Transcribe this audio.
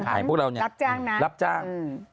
ขายพวกเราเนี่ยรับจ้าง